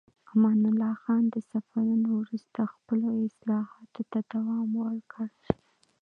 امان الله خان د سفرونو وروسته خپلو اصلاحاتو ته دوام ورکړ.